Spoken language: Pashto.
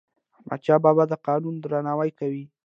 احمدشاه بابا د قانون درناوی کاوه.